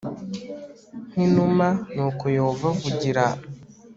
nk inuma nuko yehova avugira